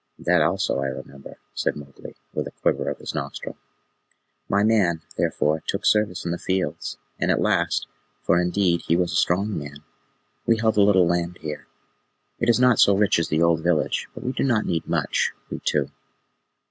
"That also I remember," said Mowgli, with a quiver of his nostril. "My man, therefore, took service in the fields, and at last for, indeed, he was a strong man we held a little land here. It is not so rich as the old village, but we do not need much we two."